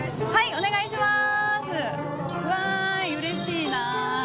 お願いします。